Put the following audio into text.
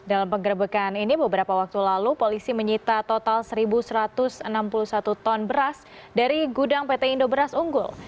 dalam penggerbekan ini beberapa waktu lalu polisi menyita total satu satu ratus enam puluh satu ton beras dari gudang pt indo beras unggul